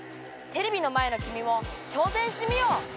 テレビの前のきみも挑戦してみよう！